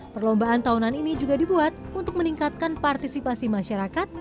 perlombaan tahunan ini juga dibuat untuk meningkatkan partisipasi masyarakat